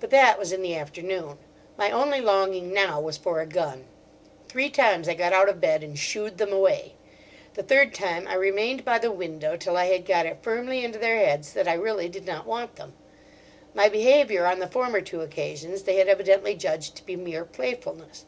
But that was in the afternoon. My only longing now was for a gun. Three times I got out of bed and "shoo'd" them away. The third time I remained by the window till I had got it firmly into their heads that I really did not want them. My behaviour on the former two occasions they had evidently judged to be mere playfulness.